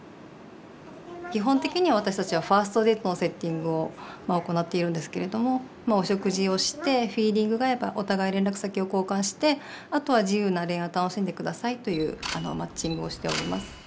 基本的には私たちはファーストデートのセッティングを行っているんですけれどもお食事をしてフィーリングが合えばお互い連絡先を交換してあとは自由な恋愛を楽しんで下さいというマッチングをしております。